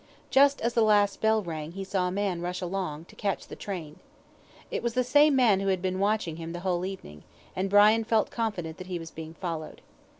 Just as the last bell rang he saw a man rush along, to catch the train. It was the same man who had been watching him the whole evening, and Brian felt confident that he was being followed.